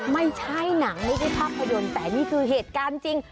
ไม่ใช่หนังไม่ใช่ภาพยนตร์แต่นี่คือเหตุการณ์จริง